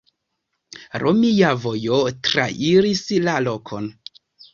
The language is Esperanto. Romia vojo trairis la lokon.